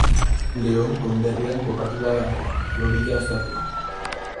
Leon konderrian kokatuta dago, Florida estatuan.